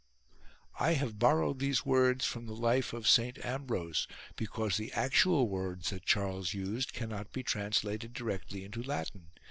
(I have borrowed these words from the Life of Saint Ambrose, because the actual words that Charles used cannot be trans lated directly into Latin.